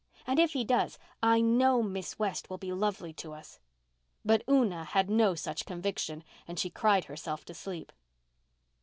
And if he does, I know Miss West will be lovely to us." But Una had no such conviction and she cried herself to sleep.